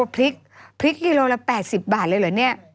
พริกกิโลกรัมละ๘๐บาทเลยเหรอ